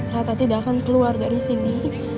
rata tidak akan keluar dari sini